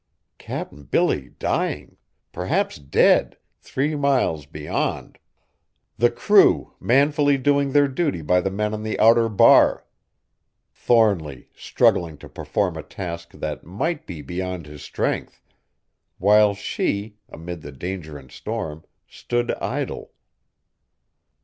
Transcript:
Cap'n Billy dying, perhaps dead, three miles beyond! The crew manfully doing their duty by the men on the outer bar! Thornly, struggling to perform a task that might be beyond his strength; while she, amid the danger and storm, stood idle!